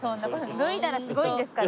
脱いだらすごいんですから。